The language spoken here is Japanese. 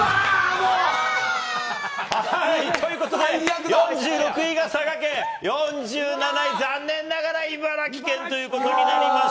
もう。ということで、４６位が佐賀県、４７位、残念ながら茨城県ということになりまし